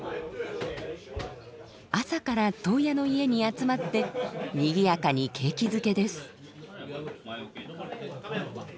朝から頭屋の家に集まってにぎやかに景気づけです。